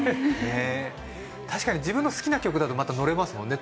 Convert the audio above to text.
確かに自分の好きな曲だとまたのれますもんね